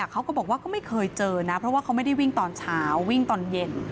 เขาก็บอกว่าก็ไม่เคยเจอนะเพราะว่าเขาไม่ได้วิ่งตอนเช้าวิ่งตอนเย็น